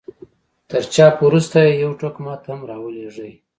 تر چاپ وروسته يې يو ټوک ما ته هم را ولېږئ.